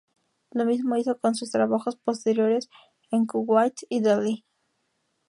Lo mismo hizo con sus trabajos posteriores en Kuwait y Delhi.